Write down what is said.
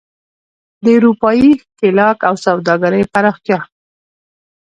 د اروپايي ښکېلاک او سوداګرۍ پراختیا.